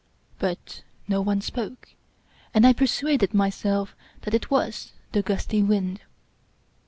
But no one spoke, and I persuaded myself that it was the gusty wind.